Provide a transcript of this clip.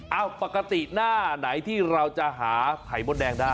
ปกติหน้าไหนที่เราจะหาไข่มดแดงได้